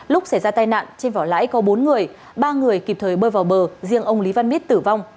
lúc xảy ra tai nạn trên vỏ lãi có bốn người ba người kịp thời bơi vào bờ riêng ông lý văn mít tử vong